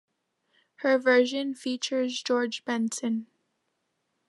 Her version features George Benson.